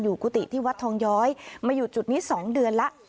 กุฏิที่วัดทองย้อยมาอยู่จุดนี้๒เดือนแล้ว